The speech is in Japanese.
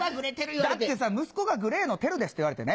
だってさ「息子がＧＬＡＹのＴＥＲＵです」って言われてね。